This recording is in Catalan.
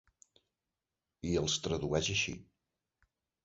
I els tradueix així.